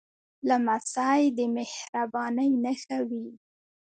لمسی د مهربانۍ نښه وي.